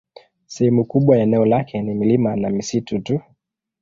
Sehemu kubwa ya eneo lake ni milima na misitu tu.